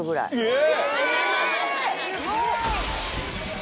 え！